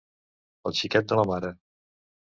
El xiquet de la mare